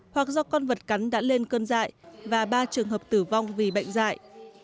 hoặc do con vật cắn đã lên cơn dại và ba trường hợp tử vong vì bệnh dạy